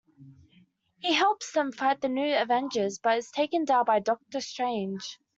He helps them fight the New Avengers, but is taken down by Doctor Strange.